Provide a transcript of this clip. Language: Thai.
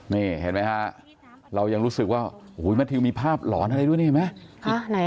นี่เห็นไหมฮะเรายังรู้สึกว่าแมททิวมีภาพหลอนอะไรด้วยนี่เห็นไหม